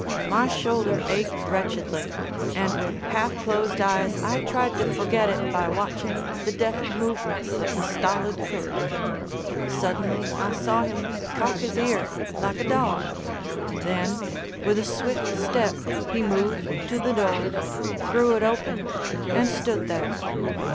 My shoulder ached wretchedly, and with half closed eyes I tried to forget it by watching the deft movements of the stolid cook. Suddenly I saw him cock his ear, like a dog. Then, with a swift step, he moved to the door, threw it open, and stood there.